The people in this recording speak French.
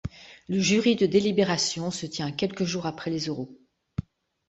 Le jury de délibération se tient quelques jours après les oraux.